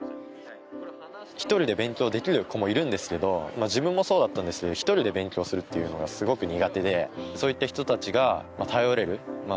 一人で勉強できる子もいるんですけど自分もそうだったんですけど一人で勉強するっていうのがすごく苦手で。